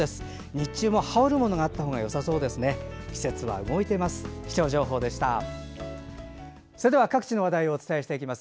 日中も羽織るものがあったほうがよさそうです。